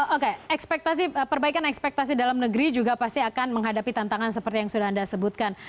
oke perbaikan ekspektasi dalam negeri juga pasti akan menghadapi tantangan seperti yang sudah anda sebutkan